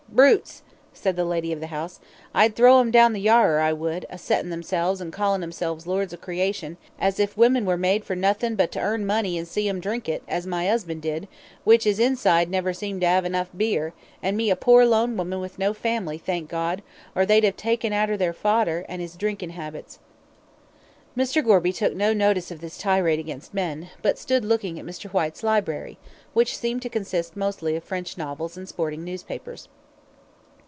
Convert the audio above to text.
"Brutes," said the lady of the house. "I'd drown 'em in the Yarrer, I would, a settin' 'emselves and a callin' 'emselves lords of creation, as if women were made for nothin' but to earn money 'an see 'em drink it, as my 'usband did, which 'is inside never seemed to 'ave enough beer, an' me a poor lone woman with no family, thank God, or they'd 'ave taken arter their father in 'is drinkin' 'abits." Mr. Gorby took no notice of this tirade against men, but stood looking at Mr. Whyte's library, which seemed to consist mostly of French novels and sporting newspapers.